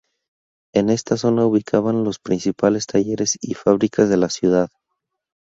En esta zona ubicaban los principales talleres y fábricas de la ciudad.